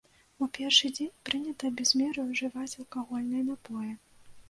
У першы дзень прынята без меры ўжываць алкагольныя напоі.